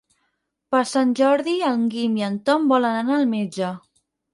Per Sant Jordi en Guim i en Tom volen anar al metge.